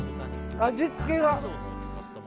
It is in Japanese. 味付けが。